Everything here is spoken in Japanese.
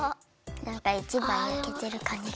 なんか１ばんやけてるかんじがする。